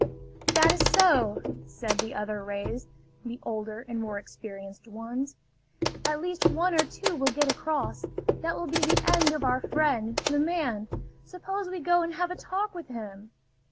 "That is so!" said the other rays, the older and more experienced ones. "At least one or two will get across. That will be the end of our friend, the man! Suppose we go and have a talk with him!"